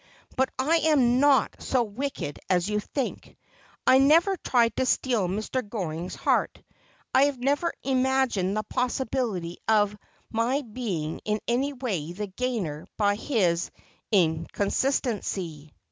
But I am not so wicked as you think. I never tried to steal Mr. Goring's heart. I have never imagined the possibility of my being in any way the gainer by his incon stancy.